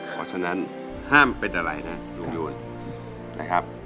เพราะฉะนั้นห้ามเป็นอะไรนะลุงโยนนะครับ